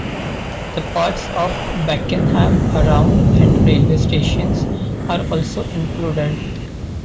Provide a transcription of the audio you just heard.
The parts of Beckenham around and railway stations are also included.